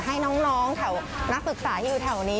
ให้น้องแถวนักศึกษาที่อยู่แถวนี้